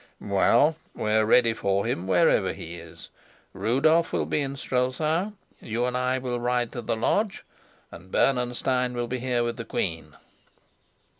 Well, we're ready for him wherever he is: Rudolf will be in Strelsau, you and I will ride to the lodge, and Bernenstein will be here with the queen."